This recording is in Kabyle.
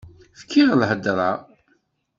Fkiɣ lhedra.